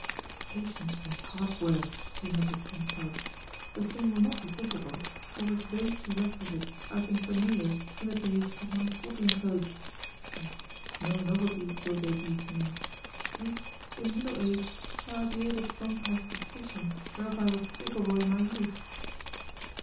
"Patience and hard work!" he muttered to himself. "The thing will not be difficult, for with those two requisites I have been familiar from the days of my swaddling clothes. Yes, no novelty will they be to me. Yet, in middle age, shall I be able to compass the patience whereof I was capable in my youth?"